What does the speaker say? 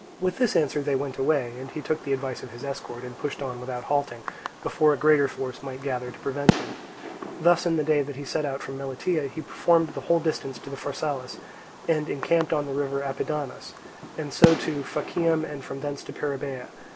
With this answer they went away, and he took the advice of his escort, and pushed on without halting, before a greater force might gather to prevent him. Thus in the day that he set out from Melitia he performed the whole distance to Pharsalus, and encamped on the river Apidanus; and so to Phacium and from thence to Perrhaebia.